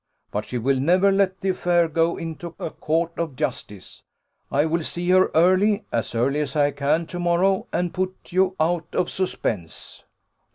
But she will never let the affair go into a court of justice. I will see her early, as early as I can to morrow, and put you out of suspense."